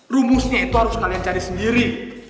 rumusnya itu harus kalian cari sendiri